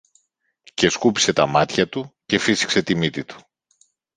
και σκούπισε τα μάτια του και φύσηξε τη μύτη του